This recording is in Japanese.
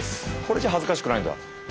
これじゃ恥ずかしくないんだ。